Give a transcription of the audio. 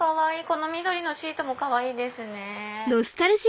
この緑のシートもかわいいですね。